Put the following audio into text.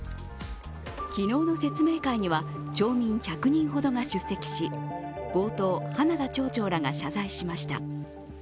昨日の説明会には、町民１００人ほどが出席し冒頭、花田町長らが謝罪しました。